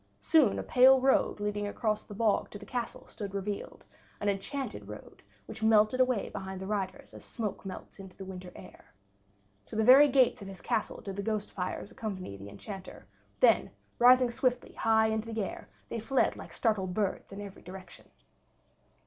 Soon a pale road leading across the bog to the castle stood revealed, an enchanted road which melted away behind the riders as smoke melts into the winter air. To the very gates of his castle did the ghost fires accompany the Enchanter; then, rising swiftly high into the air, they fled like startled birds, in every direction.